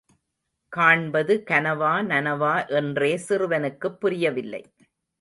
காண்பது கனவா, நனவா என்றே சிறுவனுக்குப் புரியவில்லை.